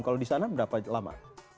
kalau di sana berapa lama